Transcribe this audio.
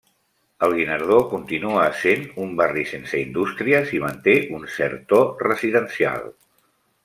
El Guinardó continua essent un barri sense indústries i manté un cert to residencial.